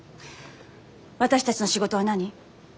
私たちの仕事は何？